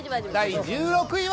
第１６位は。